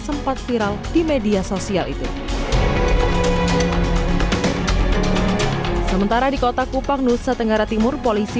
sempat viral di media sosial itu sementara di kota kupang nusa tenggara timur polisi